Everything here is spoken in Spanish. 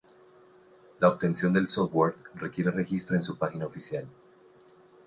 La obtención del software requiere registro en su página oficial.